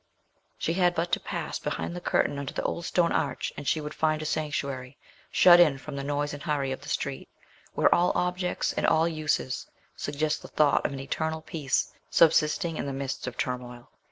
She had but to pass behind the curtain under the old stone arch, and she would find a sanctuary shut in from the noise and hurry of the street, where all objects and all uses suggested the thought of an eternal peace subsisting in the midst of turmoil.